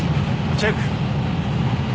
チェック。